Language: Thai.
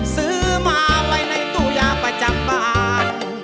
ซื้อมาไว้ในตู้ยาประจำบ้าน